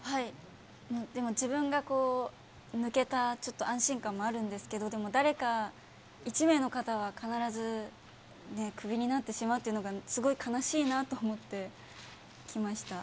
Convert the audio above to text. でも、自分がこう、抜けた、ちょっと安心感もあるんですけど、でも誰か１名の方は、必ずクビになってしまうというのが、すごい悲しいなと思ってきま